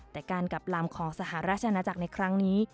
แต่การกลับลำของสหราชอาณาจักรในครั้งนี้